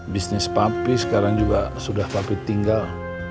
bisnis papi sekarang juga sudah papi tinggal